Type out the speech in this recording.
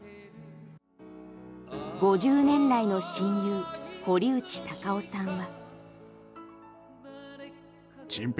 ５０年来の親友堀内孝雄さんは。